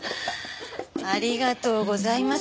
ありがとうございます。